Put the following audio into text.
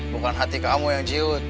bukan hati kamu yang jiut